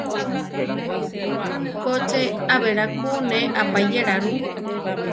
Ko che, a belá ku ne apayéla ru.